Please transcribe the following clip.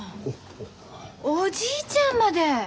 おじいちゃんまで！